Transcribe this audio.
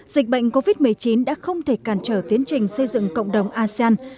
dịch bệnh covid một mươi chín đã không thể cản trở tiến trình xây dựng cộng đồng asean